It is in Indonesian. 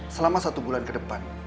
selama satu bulan ke depan